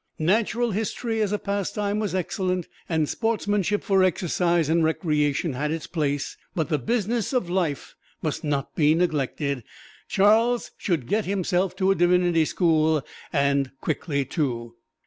Natural History as a pastime was excellent, and sportsmanship for exercise and recreation had its place, but the business of life must not be neglected Charles should get himself to a divinity school, and quickly, too.